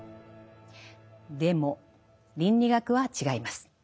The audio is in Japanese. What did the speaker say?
でも倫理学は違います。